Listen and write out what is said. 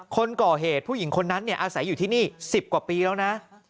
คนก่อเหตุผู้หญิงคนนั้นอาศัยอยู่ที่นี่๑๐กว่าปีแล้วนะ